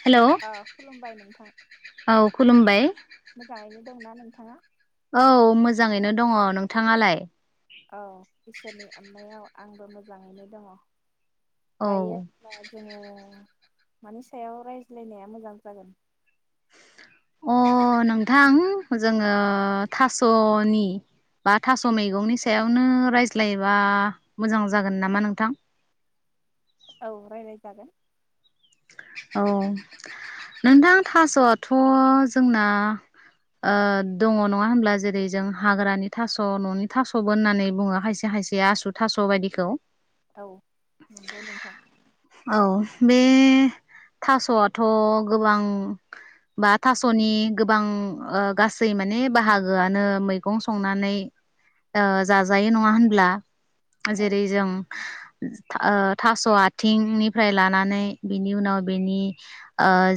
हेल औ खुलुमबाय नोंथां औ खुलुमबाय। मोजाङैनो दंना नोंथाङा औ मोजाङैनो दङ। नोंथाङालाय? औ इसोरनि अननायाव आंबो मोजाङैनो दङ। औ दायो जोंयो मानि सायाव रायज्लायनाया मोजां जागोन? अ नोंथां जोङो थासनि बा थास मैगंनि सायावनो रायज्लायबा मोजां जागोन नामा नोंथां? औ रायज्लाय जागोन। औ नोंथां थास आथ जोंना दङ नङा होनब्ला जेरै जों हाग्रानि थास न'नि थासबो होननानै बुङो खायसे खायसे आसु थास बायदिखौ। औ नंगौ नोंथां। औ बे थास आथ गोबां बा थासनि गोबां गासै माने बाहागोआनो मैगं संनानै जाजायो नङा होनब्ला। औ जेरै जों ओ थास आथिंनिफ्राय लानानै बिनि उनाव बिनि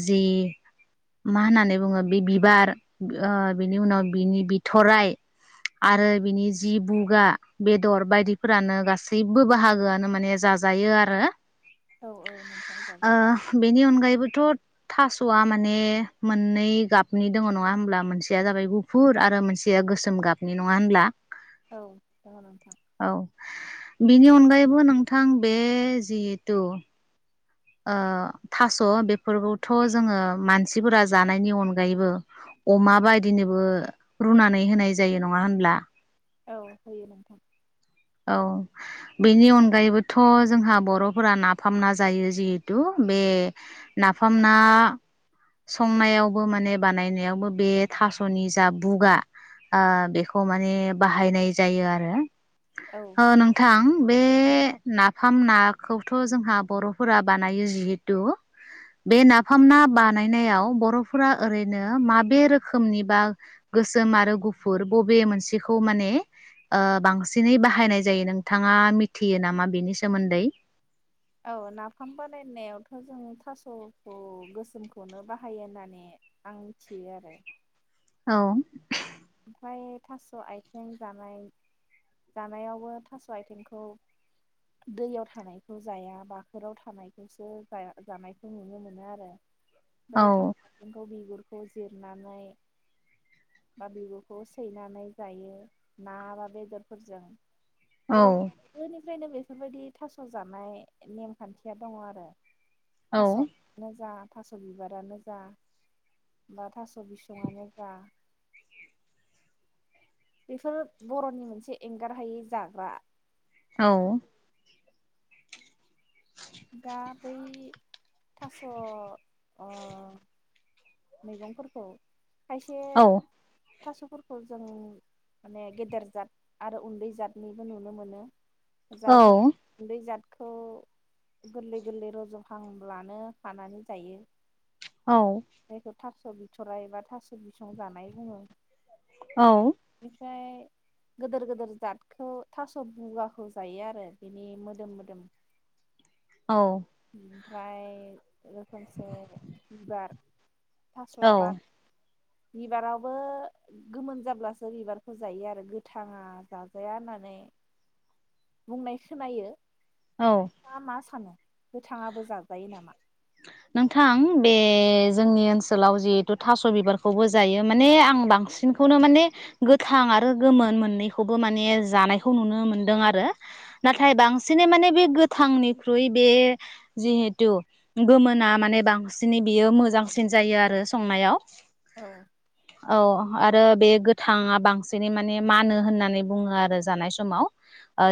जि मा होननानै बुङो बे बिबार बिनि उनाव बिनि बिथराइ आरो बिनि जि बुगा बेदर बायदिफोरानो गासैबो बाहागोआनो माने जाजायो आरो औ औ नोंथां जागोन नि अनगायैबोथ थासआ माने मोननै गाबनि दङ नङा होमब्ला मोनसेया जाबाय गुफुर आरो मोनसेया गोसोम गाबनि नङा होनब्ला औ दङ नोंथां औ बिनि अनगायै बो नोंथां बे जिथु ओ थास बेफोरखौथ जोङो मानसिफोरा जानायनि अनगायैबो अमा बायदिनोबो रुनानै होनाय जायो नङा होनब्ला औ होयो नोंथां औ बेनि अनगायैबोथ जोंहा बरफोरा नाफामना जायो जिहेथु बे नाफामना संनायावबो माने बानायनायावबो बे थासनि जा बुगा आ बेखौ माने बाहायनाय जायो आरो औ ओ नोंथां बे- बे नाफाम नाखौथ जोंहा बरफोरा बानायो जिहेथु बे नाफाम ना बानायनायाव बरफोरा ओरैनो माबे रोखोमनि बा गोसोम आरो गुफुर बबे मोनसेखौ माने ओ बांसिन दिनै बाहायनाय जायो नोंथाङा मिथियो नामा बिनि सोमोन्दै औ नाफाम बानायनायावथ जों थासखौ गोसोमखौनो बाहायो होननानै आं मिथियो आरो औ ओमफ्राय थासआथिं जानाय जानायावबो थास आथिंखौ दैयाव थानायखौ जाया बाखोराव थानायखौसो जानायखौ नुनो मोनो आरो औ बेओमफ्राय था [unintelligible] खौ बिगुर खौ जिरनानै बा बिगुरखौ सैनानै जायो ना बा बेदरफोरजों औ निफ्रायनो बेफोरबायदि थास जानाय नेमखान्थिया दङ आरो औ थासाआनो जा थास बिबारानो जा बा थास बिसङानो जा बेफोर बरनि मोनसे एंगारहायै जाग्रा औ दा बै थास अ मैगंफोरखौ खायसे थासफोरखौ जों माने गेदेर जाद आरो उन्दै जादनिबो नुनो मोनो जायफोर औ उन्दै जाद खौ गोरलै गोरलै रजहांब्लानो हानानै जायो औ जायखौ थास बिथराय एबा थास बिसं जानाय बुङो औ ओमफाय गोदोर गोदेर जादखौ थास बुगाखौ जायो आरो बिनि मोदोम मोदोम औ ओमफ्राय रोखोमसे बिबार थास औ आबाद बिबारावबो गोमोन जाब्लासो बिबारखौ जायो आरो गोथाङा जाजाया होननानै बुंनाय सोनायो औ नोंथाङा मा सानो गोथाङाबोज जाजायो नामा नोंथां बे जोंनि ओनसोलाव जिहेथु थास' बिबारखौबो जायो माने आं बांसिनखौनो माने गोथां आरो गोमोन मोननैखौबो माने जानायखौ नुनो मोनदों आरो। नाथाय बांसिनै माने बे गो थांनिख्रुइ बे जिहेथु गोमोना माने बांसिनै बियो मोजांसिन जायो आरो संनायाव। औ औ आरो बे गोथाङा बांसिनै माने मानो होननानै बुङो आरो जानाय समाव।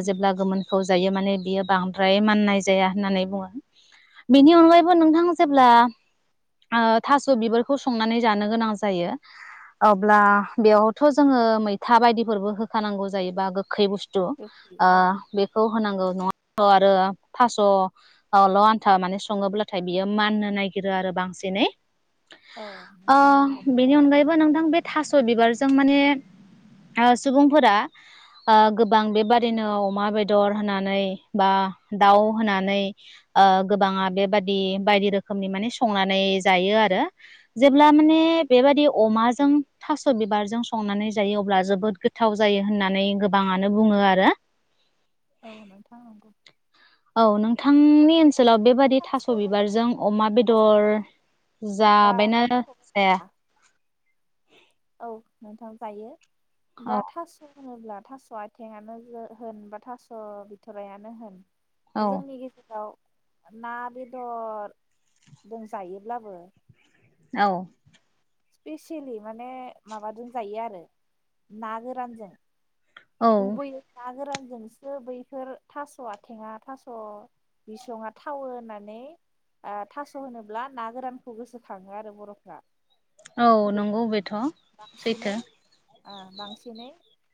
जेब्ला गोमोनखौ जायो माने बियो बांद्राय माननाय जाया होननानै बुङो। बिनि अनगायैबो नोंथां जेब्ला ओ थास' बिबारखौ संनानै जानो गोनां जायो अब्ला बेयावथ' जोङो मैथा बायदिफोरबो होखानांगौ जायो बा गोखै बुस्थु ओ गोखै औ बेखौ होनांगौ नङा। अ आरो थास' अल आन्था माने सङोब्लाथाय बियो माननो नागिरो आरो बांसिनै। औ आ नोंथां नंगौ बेनि अनगायैबो नोंथां बे थास' बिबार जों माने ओ सुबुंफोरा गोबां बेबादिनो अमा बेदर होनानै बा दाउ होनानै ओ गोबाङा बेबादि बायदि रोखोमनि माने संनानै जायो आरो जेब्ला माने बेबादि अमाजों थास' बिबारजों संनानै जायो अब्ला जोबोद गोथाव जायो होननानै गोबाङानो बुङो आरो। औ नोंथां नंगौ। औ नों थांनि ओनसोलाव बेबादि थास' बिबारजों अमा थास' बेदर आथिं बा जाबायना थास' जाया? औ नोंथां जायो। दा औ थास' होनोब्ला थास' आथिं आनो होन बा थास' बिथरायानो होन औ जोंनि गेजेराव ना बेदर दंजायोब्लाबो औ बेसेलि माने माबाजों जायो आरो ना गोरानजों। औ गुबै नागोरान जोंसो बैफोर थास' आथिङा थास' बिसङा थावो होननानै ओ थास' होनोब्ला ना गोरानखौ गोसोखाङो आरो बर'फ्रा औ नंगौ बेथ' सैथो बांसिनै आ बांसिनै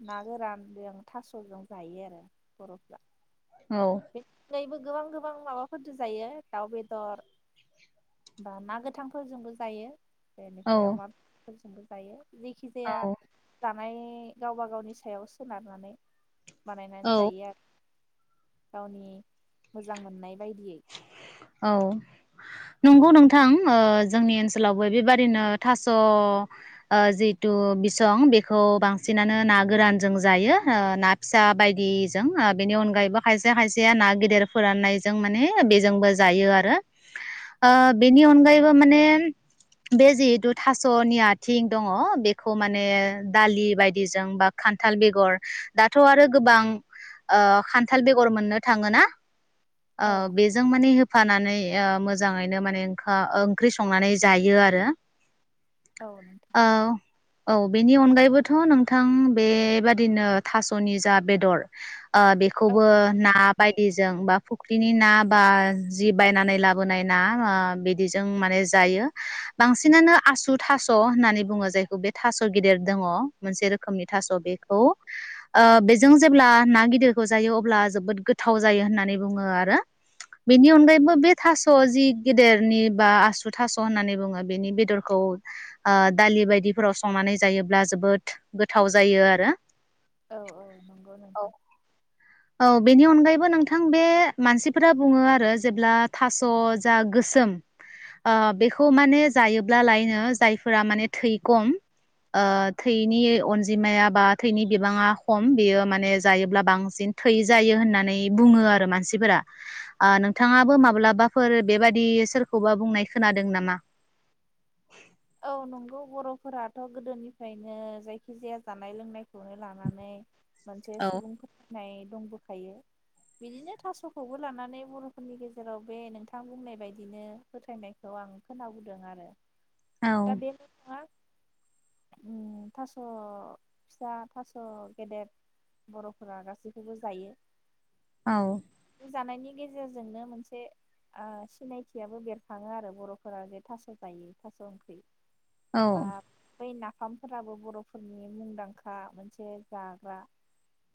ना गोरान बेयाव थास'जों जायो आरो बर'फ्रा औ बेनि अनगायैबो गोबां गोबां माबाफोरजों जायो दाउ बेदर बा ना गोथां फोरजोंबो जायो। औ बेनिफ्राय अमाफोर बो जायो। निखिजाया जा औ थानाय गावबा गावनि सायाव सोनारनानै बानायनानै औ जायो आरो। गावनि मोजां मोननाय बायदियै औ नंगौ नोंथां ओ जोंनि ओनसोलावबो बेबादिनो थास' ओ जिहेथु बिसं बेखौ बांसिनानो ना गोरानजों जायो ओ ना फिसा बायदिजों ओ बेनि अनगायैबो खायसे खायसेया ना गेदेर फोराननायजों माने बेजोंबो जायो आरो ओ बेनि अनगायैबो माने बे जिहेथु थासनि आथिं दङ बेखौ माने दालि बायदिजों बा खान्थाल बेगर दाथ आरो गोबां ओ खान्थाल बेगर मोननो थाङोना। ओ औ बेजों माने होफानानै ओ मोजाङैनो माने ओखा ओंख्रि संनानै जायो आरो। औ नोंथां ओ औ बेनि अनगायैबोथ नोंथां बेबादिनो थासनि जा बेदर ओ बेखौबो औ ना बायदिजों बा फुख्रिनि ना बा जि बायनानै लाबोनाय ना ओ बिदिजों माने जायो बांसिनानो आसु थास होननानै बुङो जायखौ बे थास गेदेर दङ मोनसे रोखोमनि थास बेखौ ओ बेजों जेब्ला ना गिदिरखौ जायो अब्ला जोबोद गोथाव जायो होननानै बुङो आरो। बेनि अनगायैबो बे थास जि गेदेरनि बा आसु थास होननानै बुङो बेनि बेदरखौ दालि बायदिफोराव संनानै जायोब्ला जोबोद गोथाव जायो आरो। औ औ नंगौ नोंथां औ बेनि अनगायैबो नोंथां बे मानसिफोरा बुङो आरो जेब्ला थास जा गोसोम ओ बेखौ माने जायोब्ला लायनो जायफोरा माने थै खम ओ थैनि अनजिमाया बा थैनि बिबाङा खम बेयो माने जायोब्ला बांसिन थै जायो होननानै बुङो आरो मानसिफोरा ओ नोंथाङाबो माब्लाबाफोर बेबादि सोरखौबा बुंनाय खोनादों नामा? औ नंगौ बर'फोराथ गोदोनिफ्रायनो जायखि जाया जानाय लोंनायखौनो लानानै मोनसे औ सुबुं फोर ओमफ्राय दंबोखायो बिदिनो थास'खौबो लानानै बर'फोरनि गेजेराव बे नोंथां बुंनाय बायदिनो फोथायनायखौ आं खोनाबोदों आरो। दा बेल' नंङा उम्म थास' फिसा थास' गेदेर बर'फोरा गासैखौबो जायो। औ बे जानायनि गेजेरजोंनो मोनसे ओ सिनायथियाबो बेरखाङो आरो बर'फोरा जे थास' जायो थास' ओंख बि बा बै नाफ फामफोराबो बर'फोरनि मुंदांखा मोनसे जाग्रा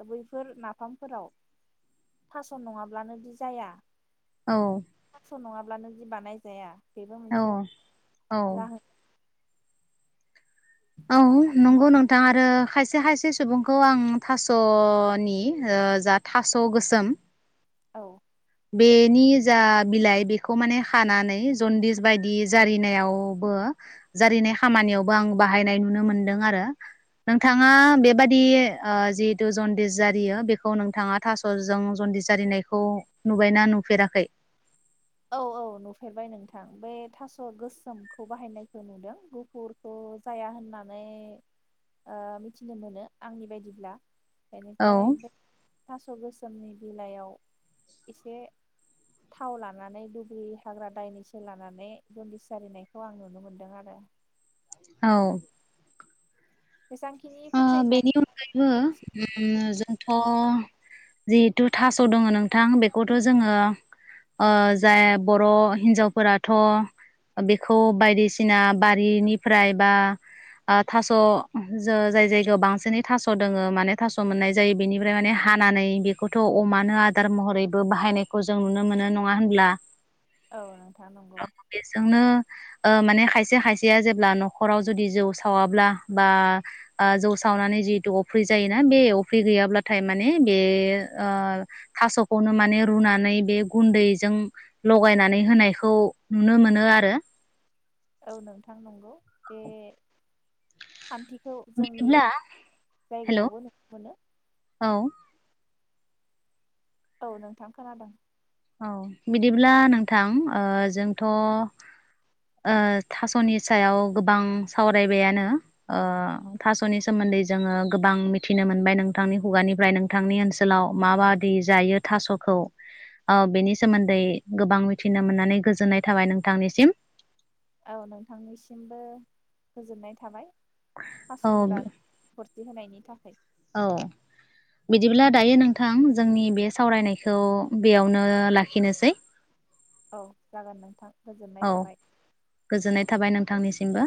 दा बैफोर नाफामफोराव थास' नङाब्लानोदि जाया। औ नङाब्लादि जि बानायजाया बेबो मोनसे औ औ जाहोन औ नंगौ नोंथां आरो खायसे खायसे सुबुंखौ आं थासनि ओ जा थास' गोसोम औ बेनि जा बिलाइ बेखौ माने खानानै जन्दिस बायदि जारिनायावबो जारिनाय खामानियावबो आं बाहायनाय नुनो मोनदों आरो नोंथांङा बेबादि ओ जिहेतु जन्दिस जारियो बेखौ नोंथांङा थास'जों जन्दिस जारिनायखौ नुबायना नुफेराखै? औ औ नुफेरबाय नोंथां बे थास' गोसोमखौ बाहायनायखौ नुदों गुफुरखौ जाया होननानै ओ मिथिनो मोनो आंनि बायदिब्ला। औ बेनिफ्राय बेद थास' गोसोमनि बिलाइयाव एसे थाव ला लानानै दुब्रि हाग्रा दायनैसो लानानै जन्दिस जारिनायखौ आं नुनो मोनदों आरो। औ जेसांखिनि ओ फोथायनाय बेनि अनगायैबो बेसांखिनि उम्म जोंथ' जिहेथु थास' दङ नोंथां बेखौथ जोंङो ओ जाय बर' हिन्जावफोराथ बेखौ बायदिसिना बारिनिफ्राय बा थास' ज जाय-जायगायाव बांसिनै थास दोङो माने थास मोननाय जायो बेनिफ्राय माने हानानै बेखौथ अमानो आदार महरैबो बाहायनायखौ जों नुनो मोनो नङा होनब्ला? औ नोंथां नंगौ औ बेजोंनो ओ माने खायसे खायसेया जेब्ला नखराव जुदि जौ सावाब्ला बा ओ जौ सावनानै जिहेतु अफ्रि जायोना बे अफ्रि गैयाब्लाथाय माने बे ओ थासखौनो माने रुनानै बे गुन्दैजों लगायनानै होनायखौ नुनो मोनो आरो औ नोंथां नंगौ बे खान्थिखौ जोंनि बिदिब्ला हेल' जायगायावबो नु नो मोनो औ औ नोंथां खोनादों औ बिदिब्ला नोंथां ओ जोंथ ओ थासनि सायाव गोबां सावरायबायानो ओ थासनि सोमोन्दै जोङो गोबां मिथिनो मोनबाय नोंथांनि हुगानिफ्राय नोंथांनि ओनसोलाव माबादि जायो थासखौ ओ बेनि सोमोन्दै गोबां मिथिनो मोननानै गोजोननाय थाबाय नोंथांनिसिम औ नोंथांनिसिमबो गोजोननाय थाबाय औ थासनि बाग फुरथि होनायनि थाखाय औ बिदिब्ला दायो नोंथां जोंनि बे सावरायनायखौ बेयावनो लाखिनोसै औ जागोन नोंथां गोजोननाय थाबाय थांनिसिमबो